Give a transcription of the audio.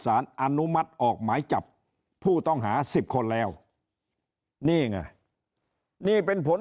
สารอนุมัติออกหมายจับผู้ต้องหา๑๐คนแล้วนี่ไงนี่เป็นผล